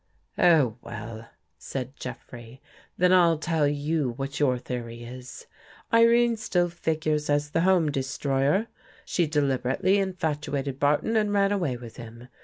" Oh, well," said Jeffrey, " then I'll tell you what your theory is. Irene still figures as the home de stroyer. She deliberately infatuated Barton and ran away with him.